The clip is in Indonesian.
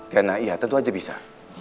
tiana iya tentu aja bisa